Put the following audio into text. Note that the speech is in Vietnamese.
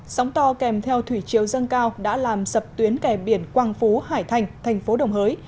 sóng to kèm theo thủy chiều dâng cao đã làm sập tuyến kè biển quang phú hải thành thành phố đồng hới